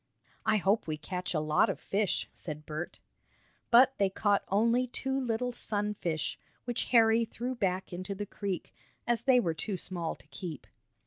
"I hope we catch a lot of fish," said Bert. But they caught only two little sun fish, which Harry threw back into the creek, as they were too small to keep.